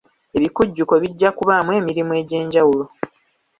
Ebikujjuko bijja kubaamu emirimu egy'enjawulo.